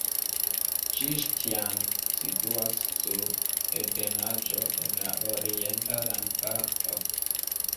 Ĉiŝtian situas sur ebenaĵo en la orienta landparto.